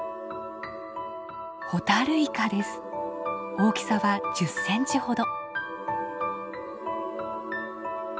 大きさは１０センチほど。